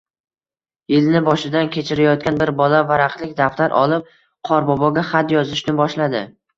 -yilni boshidan kechirayotgan bir bola varaqlik daftar olib, qorboboga xat yozishni boshladi...